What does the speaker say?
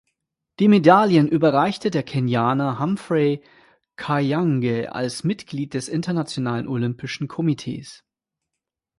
Die Medaillen überreichte der Kenianer Humphrey Kayange als Mitglied des Internationalen Olympischen Komitees.